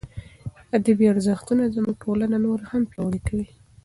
ادبي ارزښتونه زموږ ټولنه نوره هم پیاوړې کوي.